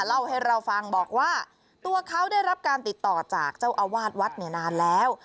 เล่าให้เราฟังบอกว่าตัวเขาได้รับการติดต่อจากเจ้าอาวาสวัดเนี่ยนานแล้ว